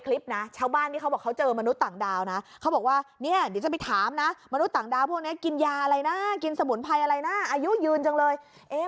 กินสมุนไพรอะไรนะอายุยืนจังเลย